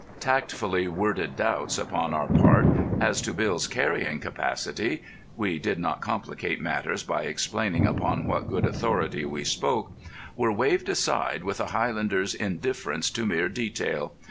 Tactfully worded doubts upon our part as to Bill's carrying capacity—we did not complicate matters by explaining upon what good authority we spoke—were waved aside with a Highlander's indifference to mere detail.